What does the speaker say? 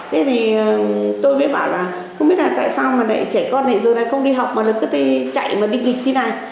thế thì tôi mới bảo là không biết là tại sao mà trẻ con này giờ này không đi học mà cứ chạy mà đi nghịch thế này